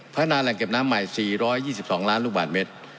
แหล่งเก็บน้ำใหม่๔๒๒ล้านลูกบาทเมตร